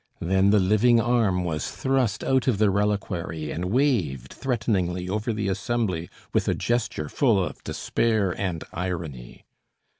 Then the living arm was thrust out of the reliquary and waved threateningly over the assembly with a gesture full of despair and irony.